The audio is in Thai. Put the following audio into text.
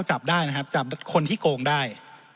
จับได้นะครับจับคนที่โกงได้